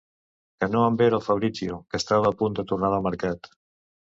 Que no em vera el Fabrizio, que estava a punt de tornar del mercat...